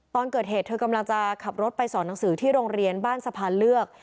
ตอนเกิดเหตุเธอกำลังจะขับรถไปสอนหนังสือที่โรงเรียนบ้านสะพานเลือก